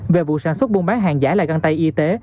về vụ sản xuất buôn bán hàng giả là găng tay y tế